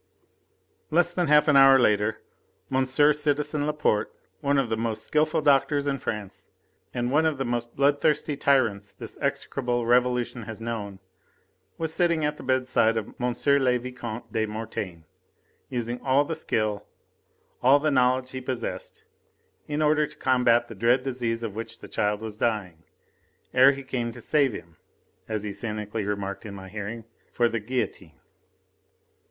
III Less than half an hour later, monsieur, citizen Laporte, one of the most skilful doctors in France and one of the most bloodthirsty tyrants this execrable Revolution has known, was sitting at the bedside of M. le Vicomte de Mortaine, using all the skill, all the knowledge he possessed in order to combat the dread disease of which the child was dying, ere he came to save him as he cynically remarked in my hearing for the guillotine.